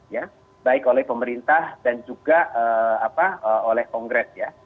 ya baik oleh pemerintah dan juga oleh kongres ya